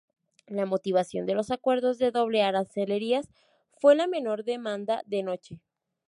La motivación de los acuerdos de doble arancelarias fue la menor demanda de noche.